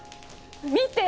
見て！